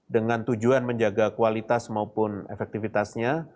dengan tujuan menjaga kualitas maupun efektivitasnya